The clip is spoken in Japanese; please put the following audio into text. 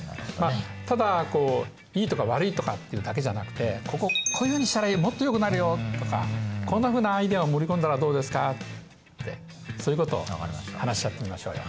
ただこういいとか悪いとかっていうだけじゃなくてこここういうふうにしたらもっとよくなるよとかこんなふうなアイデアを盛り込んだらどうですかってそういうことを話し合ってみましょうよ。